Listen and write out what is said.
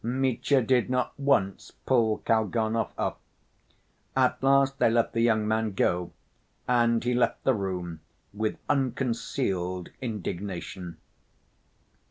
Mitya did not once pull Kalganov up. At last they let the young man go, and he left the room with unconcealed indignation.